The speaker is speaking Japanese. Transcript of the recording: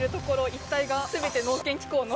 一帯が全て農研機構の。